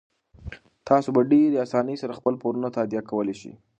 تاسو په ډیرې اسانۍ سره خپل پورونه تادیه کولی شئ.